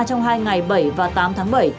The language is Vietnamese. trong hai ngày bảy và tám tháng bảy